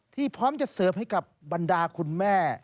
ที่พร้อมจะเซิฟให้บรรดาคุณแม่